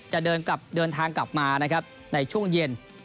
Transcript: จะเดินทางกลับมาในช่วงเย็น